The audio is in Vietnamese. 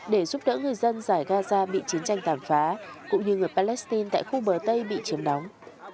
để giúp đỡ người dân giải gaza bị chiến tranh tàn phá cũng như người palestine tại khu bờ tây bị chiếm đóng